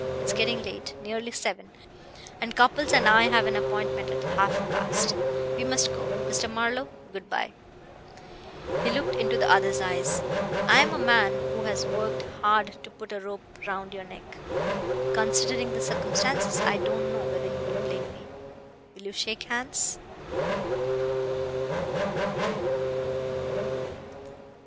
It's getting late nearly seven, and Cupples and I have an appointment at half past. We must go. Mr. Marlowe, good by." He looked into the other's eyes. "I am a man who has worked hard to put a rope round your neck. Considering the circumstances I don't know whether you will blame me. Will you shake hands?"